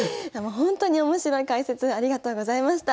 ほんとに面白い解説ありがとうございました。